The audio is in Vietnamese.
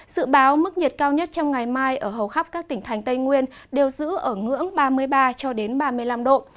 dự báo mức nhiệt cao nhất trong ngày mai ở hầu khắp các tỉnh thành tây nguyên đều giữ ở ngưỡng ba mươi ba ba mươi năm độ